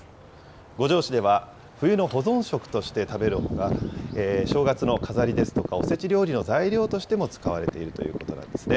五條市では冬の保存食として食べるほか、正月の飾りですとか、おせち料理の材料としても使われているということなんですね。